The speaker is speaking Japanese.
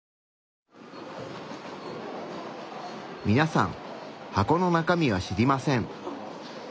みなさん箱の中身は知りません。